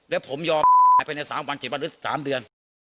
แล้วผมยอมไปใน๓วัน๗วันหรือ๓เดือน